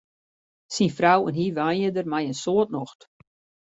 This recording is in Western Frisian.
Syn frou en hy wenje dêr mei in soad nocht.